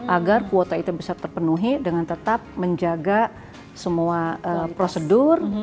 agar kuota itu bisa terpenuhi dengan tetap menjaga semua prosedur